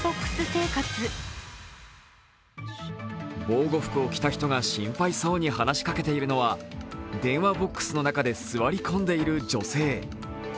防護服を着た人が心配そうに話しかけているのは電話ボックスの中で座り込んでいる女性。